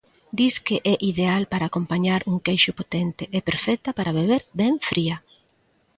Disque é ideal para acompañar un queixo potente e perfecta para beber ben fría.